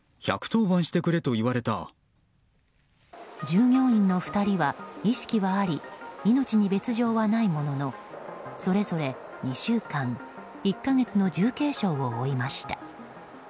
従業員の２人は意識はあり命に別条はないもののそれぞれ２週間、１か月の重軽傷を負いました。